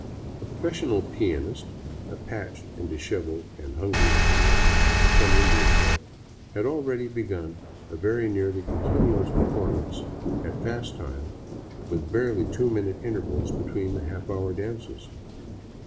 A profes sional pianist, a patched, dishevelled, and hungry looking young man of some Indian blood, had already begun a very nearly continuous per formance at fast time, with barely two minute intervals between the half hour dances.